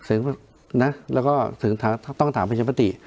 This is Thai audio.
แล้วก็ถึงต้องถามผู้ชมนุมปฏิ